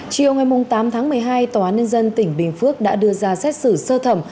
chiều ngày tám tháng một mươi hai tòa án nhân dân tỉnh bình phước đã đưa ra xét xử sơ thẩm